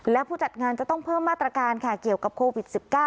และผู้จัดงานจะต้องเพิ่มมาตรการค่ะเกี่ยวกับโควิด๑๙